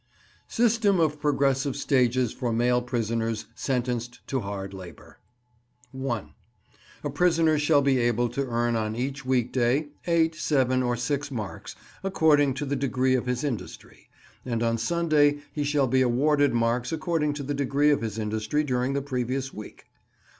SYSTEM OF PROGRESSIVE STAGES FOR MALE PRISONERS SENTENCED TO HARD LABOUR. 1. A prisoner shall be able to earn on each weekday 8, 7, or 6 marks, according to the degree of his industry; and on Sunday he shall be awarded marks according to the degree of his industry during the previous week.